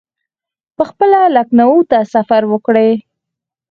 پخپله لکنهو ته سفر وکړي.